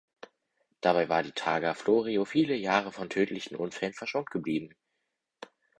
Dabei war die Targa Florio viele Jahren von tödlichen Unfällen verschont geblieben.